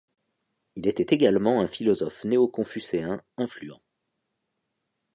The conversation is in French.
Il était également un philosophe néoconfucéen influent.